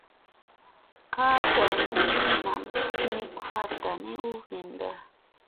Kaa dayni nam nik vaɗta ni u vinda.